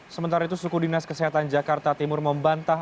sementara itu suku dinas kesehatan jakarta timur membantah